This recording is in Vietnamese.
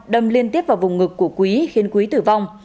đâm liên tiếp vào vùng ngực của quý khiến quý tử vong